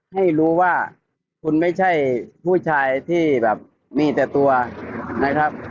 ให้รู้ว่าคุณไม่ใช่ผู้ชายที่แบบมีแต่ตัวนะครับ